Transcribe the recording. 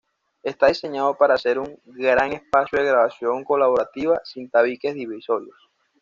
Está diseñado para ser un gran espacio de grabación colaborativa, sin tabiques divisorios.